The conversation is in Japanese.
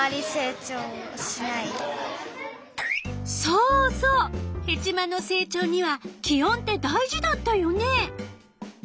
そうそうヘチマの成長には気温って大事だったよね。